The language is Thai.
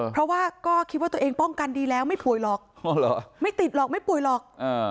เพราะว่าก็คิดว่าตัวเองป้องกันดีแล้วไม่ป่วยหรอกไม่ติดหรอกไม่ป่วยหรอก